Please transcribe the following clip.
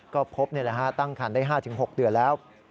ก็พบตั้งคันได้๕๖เดือนแล้ว